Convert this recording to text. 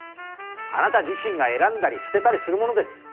あなた自身が選んだり捨てたりするものです。